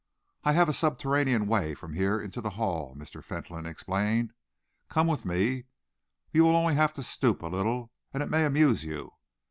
"I have a subterranean way from here into the Hall," Mr. Fentolin explained. "Come with me. You will only have to stoop a little, and it may amuse you.